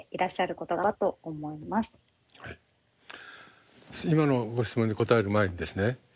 今のご質問に答える前にですね